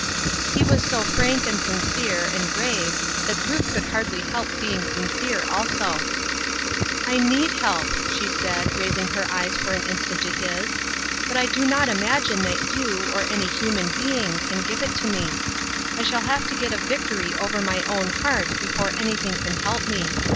He was so frank and sincere and grave that Ruth could hardly help being sincere also. "1 need help," she said, raising her eyes for 80 Ruth Ershme's Crosses. an instant to his, " but I do not imagine that you, or any human being, can give it me. I shall have to get a victory over my own heart before an3^thing can help me.